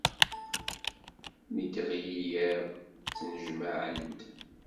Mi d-iɣli yiḍ, ttnejmaɛen-d.